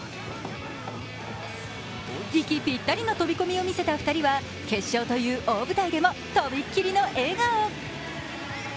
息ピッタリの飛び込みを見せた２人は決勝という大舞台でもとびっきりの笑顔。